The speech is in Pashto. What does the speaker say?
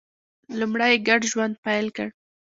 لومړی یې ګډ ژوند پیل کړ.